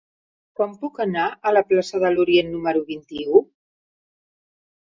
Com puc anar a la plaça de l'Orient número vint-i-u?